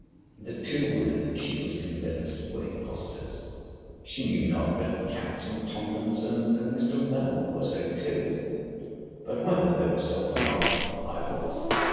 The two women, she was convinced, were impostors. She knew not but Captain Tomlinson and Mr. Mennell were so too. But whether they were so or not, I was.